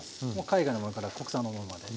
海外のものから国産のものまで。